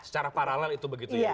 secara paralel itu begitu ya